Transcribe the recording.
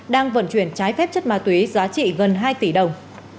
đang vận chuyển trái phép chất ma túy giá trị gần hai tỷ đồng